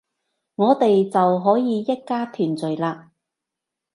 我哋就可以一家團聚喇